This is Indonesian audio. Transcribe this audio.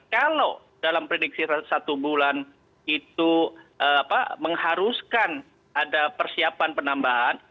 kalau dalam prediksi satu bulan itu mengharuskan ada persiapan penambahan